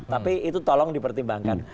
tapi itu tolong dipertimbangkan